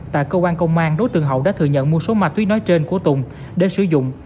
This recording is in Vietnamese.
tại cơ quan công an đối tượng hậu đã thừa nhận một số mạch tuyến nói trên của tùng để sử dụng